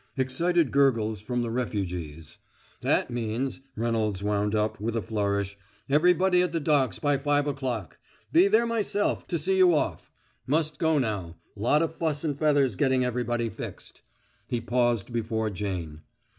'" Excited gurgles from the refugees. "That means," Reynolds wound up, with a flourish, "everybody at the docks by five o'clock. Be there myself, to see you off. Must go now lot of fuss and feathers getting everybody fixed." He paused before Jane.